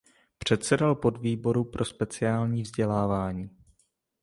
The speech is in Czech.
Předsedal podvýboru pro speciální vzdělávání.